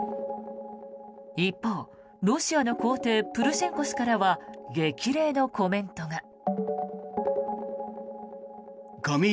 一方、ロシアの皇帝プルシェンコ氏からは激励のコメントが。